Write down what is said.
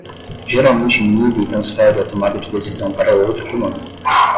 Geralmente inibe e transfere a tomada de decisão para outro comando.